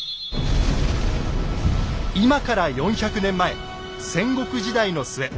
今から４００年前戦国時代の末。